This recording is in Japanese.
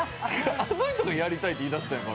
あの人がやりたいって言い出したんやから。